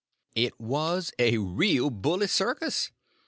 It was a real bully circus.